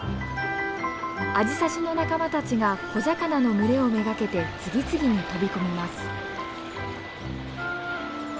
アジサシの仲間たちが小魚の群れを目がけて次々に飛び込みます。